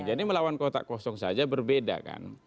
jadi melawan kotak kosong saja berbeda kan